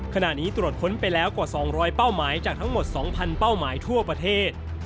ขณะนี้ตรวจค้นไปแล้วกว่า๒๐๐เป้าหมายจากทั้งหมด๒๐๐เป้าหมายทั่วประเทศ